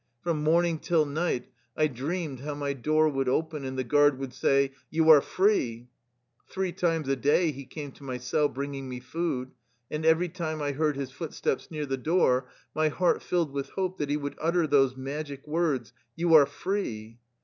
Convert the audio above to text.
From morning till night I dreamed how my door would open and the guard would say :" You are free !" Three times a day he came to my cell bringing me food, and every time I heard his footsteps near the door my heart filled with hope that he would utter those magic words :" You are free